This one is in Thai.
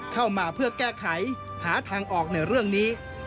เข้ามาเพื่อแก้ไขหาทางออกในเรื่องนี้